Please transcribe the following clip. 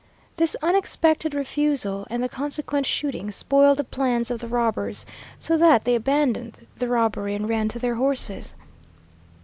This unexpected refusal and the consequent shooting spoiled the plans of the robbers, so that they abandoned the robbery and ran to their horses.